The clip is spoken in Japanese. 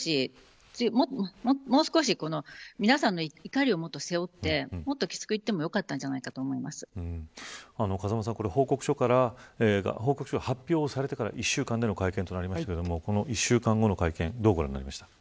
もう少し皆さんの怒りを背負ってもっときつく言ってもよかったんじゃないかなと風間さん、報告書が発表されてから２週間後の会見となりましたが１週間後の会見どうご覧になりましたか。